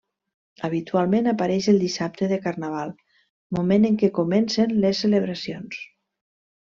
Habitualment apareix el dissabte de carnaval, moment en què comencen les celebracions.